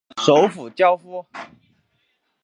首府焦夫。